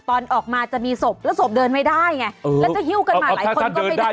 ตอนออกมาจะมีศพแล้วศพเดินไม่ได้ไงแล้วจะหิ้วกันมาหลายคนก็ไม่ได้